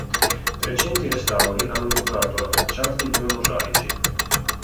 Recenti restauri hanno dotato la facciata di due mosaici.